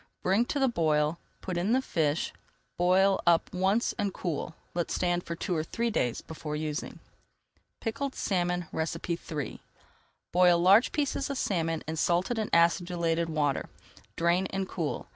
Bring to the boil, put in the fish, boil up once and cool. Let stand for two or three days before using. PICKLED SALMON III Boil large pieces of salmon in salted and acidulated water, drain, and cool.